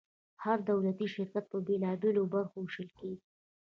هر دولتي شرکت په بیلو بیلو برخو ویشل کیږي.